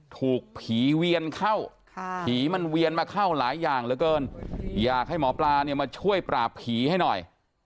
ถูกผีเวียนเข้าผีมันเวียนมาเข้าหลายอย่างเหลือเกินอยากให้หมอปลาเนี่ยมาช่วยปราบผีให้หน่อย